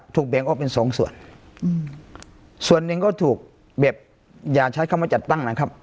แบ่งออกเป็นสองส่วนอืมส่วนหนึ่งก็ถูกแบบอย่าใช้คำว่าจัดตั้งนะครับ